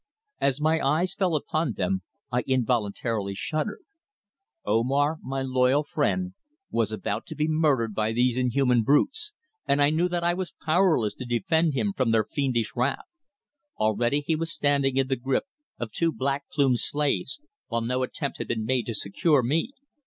As my eyes fell upon them I involuntarily shuddered. Omar, my loyal friend, was about to be murdered by these inhuman brutes, and I knew that I was powerless to defend him from their fiendish wrath. Already he was standing in the grip of two black plumed slaves, while no attempt had been made to secure me.